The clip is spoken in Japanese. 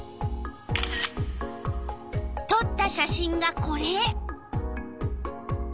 とった写真がこれ。